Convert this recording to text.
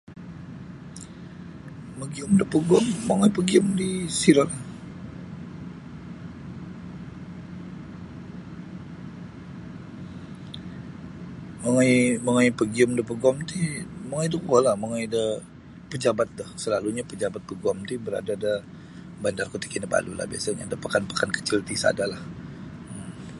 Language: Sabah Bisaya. Magium da paguam mongoi pagium di siro lah mongoi pagium da paguam ti mongoi da kuo la mongoi da pajabat do salalunyo pajabat paguam ti berada da bandar Kota Kinabalu lah biasanya da pakan-pakan kecil ti sada lah um.